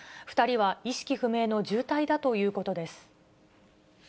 ２人は意識不明の重体だということです。